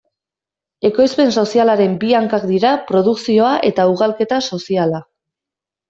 Ekoizpen sozialaren bi hankak dira produkzioa eta ugalketa soziala.